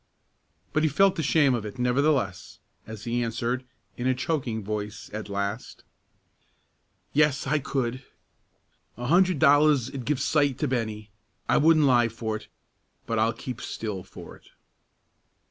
But he felt the shame of it, nevertheless, as he answered, in a choking voice, at last, "Yes, I could. A hundred dollars 'd give sight to Bennie. I wouldn't lie for it, but I'll keep still for it."